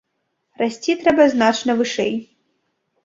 Расці трэба значна вышэй.